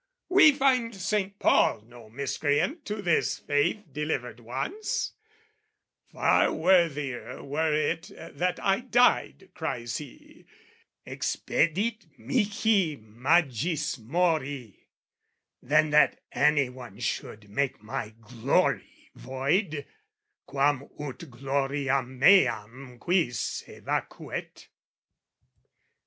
We find Saint Paul No miscreant to this faith delivered once: "Far worthier were it that I died," cries he, Expedit mihi magis mori, "than "That any one should make my glory void," Quam ut gloriam meam quis evacuet!